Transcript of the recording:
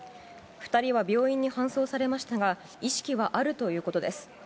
２人は病院に搬送されましたが、意識はあるということです。